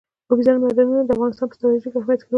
اوبزین معدنونه د افغانستان په ستراتیژیک اهمیت کې رول لري.